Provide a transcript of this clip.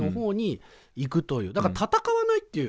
だから戦わないっていう。